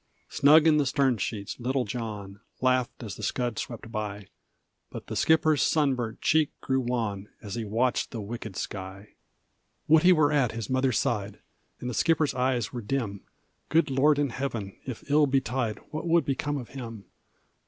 Snug in the stern sheets, little John Laughed as the scud swept by; But the skipper's sunburnt cheek grew wan As he watched the wicked sky. "Would he were at his mother's side!" And the skipper's eyes were dim. "Good Lord in heaven, if ill betide, What would become of him!